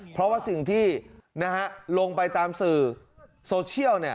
เพราะว่าสิ่งที่ลงไปตามสื่อโซเชียล